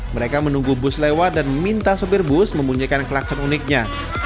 mereka menunggu bus lewat dan meminta sopir bus membunyikan klakson uniknya